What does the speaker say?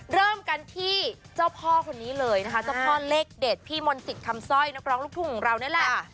เริ่มกันที่เจ้าพ่อคนนี้เลยนะคะเจ้าพ่อเลขเด็ดพี่มนต์สิทธิ์คำสร้อยนักร้องลูกทุ่งของเรานี่แหละ